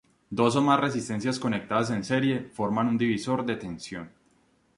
Dos o más resistencias conectadas en serie forman un divisor de tensión.